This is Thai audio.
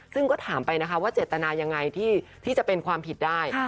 ซึ่งก็ถามไปนะคะว่าเจตนายังไงที่จะเป็นความผิดได้